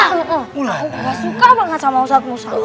aku gak suka banget sama ustadz ustadz